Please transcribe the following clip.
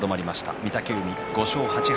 御嶽海、５勝８敗